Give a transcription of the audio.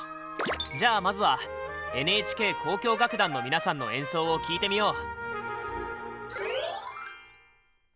じゃあまずはＮＨＫ交響楽団の皆さんの演奏を聴いてみよう！